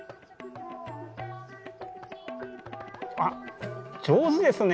あっ上手ですね！